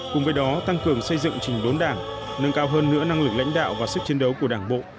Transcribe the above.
cùng với đó tăng cường xây dựng trình đốn đảng nâng cao hơn nữa năng lực lãnh đạo và sức chiến đấu của đảng bộ